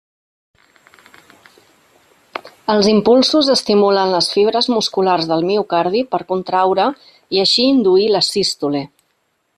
Els impulsos estimulen les fibres musculars del miocardi per contraure i així induir la sístole.